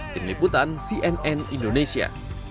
tim liputan cnn indonesia